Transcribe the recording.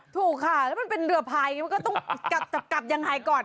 ถูกคะถ้าเป็นเรือภายงี้ก็คงต้องกลับยังไงก่อน